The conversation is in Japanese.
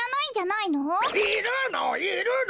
いるのいるの！